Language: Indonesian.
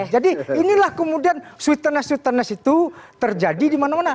jadi inilah kemudian sweetness sweetness itu terjadi dimana mana